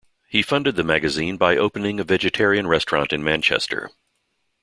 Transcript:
He funded the magazine by opening a vegetarian restaurant in Manchester.